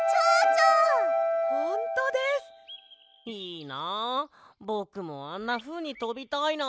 いいなぼくもあんなふうにとびたいな。